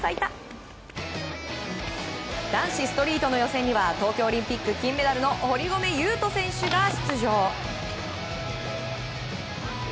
男子ストリートの予選には東京オリンピック金メダルの堀米雄斗選手が出場。